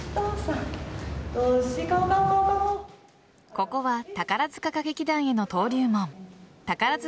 ここは宝塚歌劇団への登竜門宝塚